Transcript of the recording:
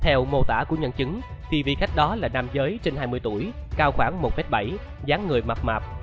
theo mô tả của nhân chứng tivi khách đó là nam giới trên hai mươi tuổi cao khoảng một bảy m dáng người mập mập